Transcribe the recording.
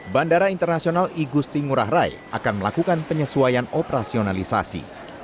bandara internasional igusti ngurah rai akan melakukan penyesuaian operasionalisasi